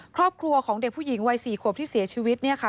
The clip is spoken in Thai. ครอบครัวของเด็กผู้หญิงวัย๔ขวบที่เสียชีวิตเนี่ยค่ะ